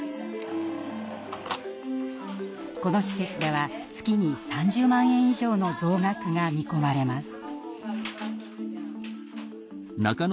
この施設では月に３０万円以上の増額が見込まれます。